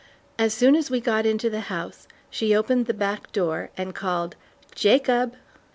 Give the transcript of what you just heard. As soon as we got into the house she opened the back door and called "Jacob!"